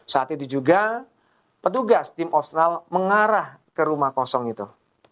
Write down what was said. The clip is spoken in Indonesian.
saat itu juga petugas tim austral mengarah ke rumah kosong itu